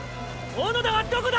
小野田はどこだ！